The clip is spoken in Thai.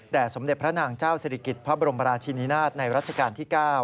สมเด็จพระนางเจ้าศิริกิจพระบรมราชินินาศในรัชกาลที่๙